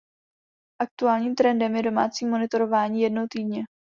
Aktuálním trendem je domácí monitorování jednou týdně.